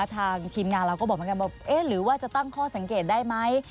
ทางทีมงานเราก็บอกเหมือนกันว่าเอ๊ะหรือว่าจะตั้งข้อสังเกตได้ไหม